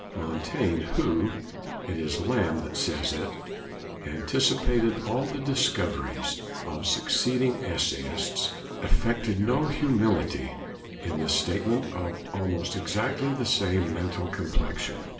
Montaigne, who (it is Lamb that says it) 'anticipated all the discoveries of succeeding essayists,' affected no humility in the statement of almost exactly the same mental complexion.